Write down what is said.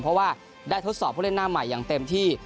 เพราะว่าได้ทดสอบผู้เล่นหน้าใหม่อย่างเต็มที่